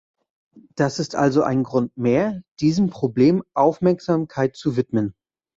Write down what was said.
Das ist also ein Grund mehr, diesem Problem Aufmerksamkeit zu widmen.